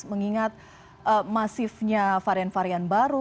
mengingat masifnya varian varian baru